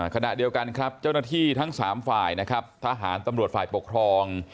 ขณะเดียวกันครับเจ้าหน้าที่ทั้ง๓ฝ่ายนะครับทหารตำรวจฝ่ายปกครอง